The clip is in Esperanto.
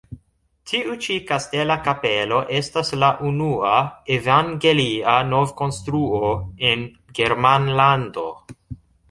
Tiu ĉi kastela kapelo estas la unua evangelia novkonstruo en Germanlando.